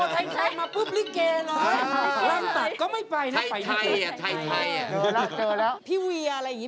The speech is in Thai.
พี่เวียอะไรอย่างงี้พี่เวียได้ไหม